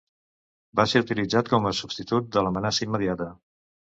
Va ser utilitzat com a substitut de l'amenaça immediata.